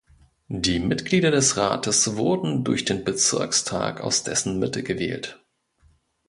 Die Mitglieder des Rates wurden durch den Bezirkstag aus dessen Mitte gewählt.